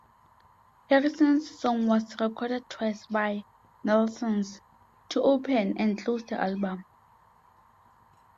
Harrison's song was recorded twice by Nilsson, to open and close the album.